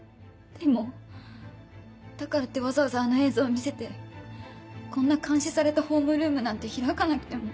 でもだからってわざわざあの映像を見せてこんな監視されたホームルームなんて開かなくても。